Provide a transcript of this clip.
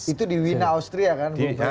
itu di wina austria kan